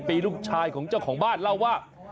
ปีลูกชายของเจ้าของบ้านเล่าว่า